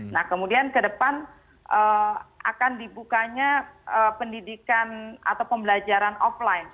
nah kemudian kedepan akan dibukanya pendidikan atau pembelajaran offline